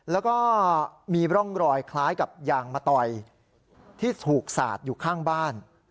แล้วก็มีร่องรอยคล้ายกับยางมะตอยที่ถูกสาดอยู่ข้างบ้าน